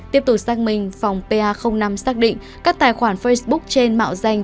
tiếp tục xác minh phòng pa năm xác định các tài khoản facebook trên mạo danh